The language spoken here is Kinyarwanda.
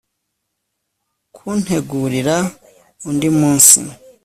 Kuntegurira undi munsi